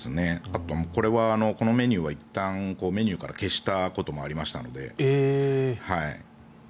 あと、このメニューはいったんメニューから消したこともありましたので。